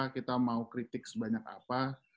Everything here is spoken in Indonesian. kita mau kritik sebanyak apa